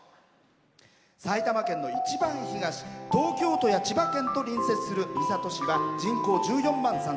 埼玉県の一番東東京都や千葉県と隣接する三郷市は人口１４万３０００。